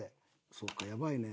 そうかやばいね。